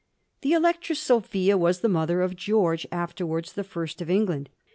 The Electress Sophia was the mother of Greorge, afterwards the First of England.